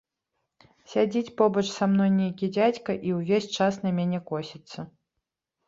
Сядзіць побач са мной нейкі дзядзька і ўвесь час на мяне косіцца.